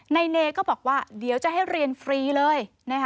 เนก็บอกว่าเดี๋ยวจะให้เรียนฟรีเลย